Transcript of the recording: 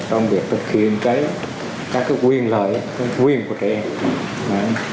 trong việc thực hiện cái các cái quyền lợi quyền của trẻ em